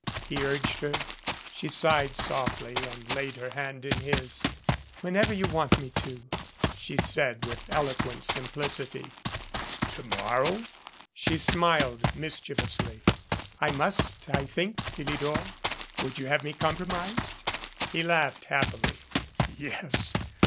he urged her. She sighed softly and laid her hand in his. "Whenever you want me to," she said, with eloquent simplicity. "To morrow?" She smiled mischievously. "I must, I think, Philidor. Would you have me com promised?" He laughed happily. "Yes.